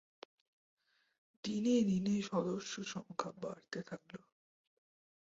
দিনে দিনে সদস্যসংখ্যা বাড়তে থাকল।